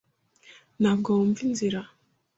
Ntabwo wumva inzira.